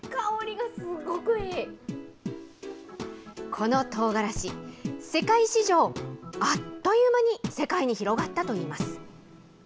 このとうがらし、世界史上、あっという間に世界に広がったといいます。